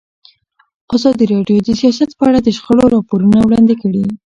ازادي راډیو د سیاست په اړه د شخړو راپورونه وړاندې کړي.